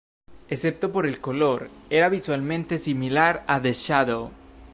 Excepto por el color, era visualmente similar a The Shadow.